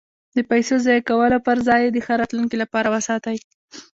د پیسو د ضایع کولو پرځای یې د ښه راتلونکي لپاره وساتئ.